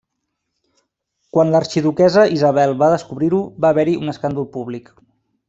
Quan l'arxiduquessa Isabel va descobrir-ho, va haver-hi un escàndol públic.